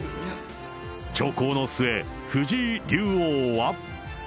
長考の末、藤井竜王は。